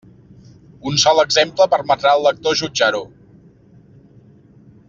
Un sol exemple permetrà al lector jutjar-ho.